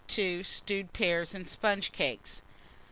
Stewed pears and sponge cakes.